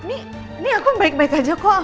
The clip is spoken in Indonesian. nih ini aku baik baik aja kok